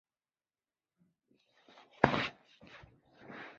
但汉街也有很多现代西式的建筑。